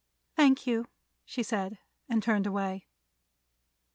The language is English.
"Thank you," she said, and turned away.